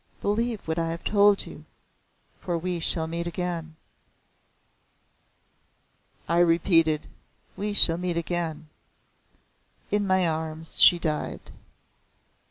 "Believe what I have told you. For we shall meet again." I repeated "We shall meet again." In my arms she died.